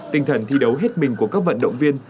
tinh thần thi đấu hết mình của các vận động viên